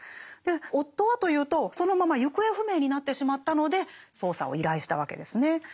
夫はというとそのまま行方不明になってしまったので捜査を依頼したわけですね。